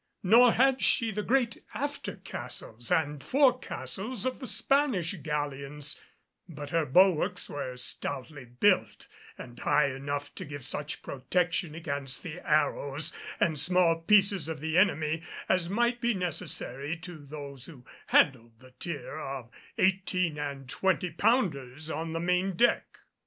Nor had she the great after castles and fore castles of the Spanish galleons; but her bulwarks were stoutly built, and high enough to give such protection against the arrows and small pieces of the enemy as might be necessary to those who handled the tier of eighteen and twenty pounders on the main deck.